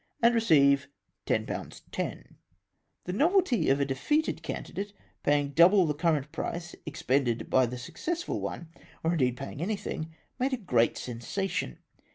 and receive ten pounds ten !" The novelty of a defeated candidate paymg double the current price expended by the successful one — or, indeed, paying anytliing — made a great sensation.